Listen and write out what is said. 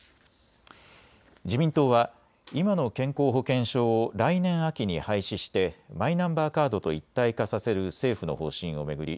自民党は今の健康保険証を来年秋に廃止してマイナンバーカードと一体化させる政府の方針を巡り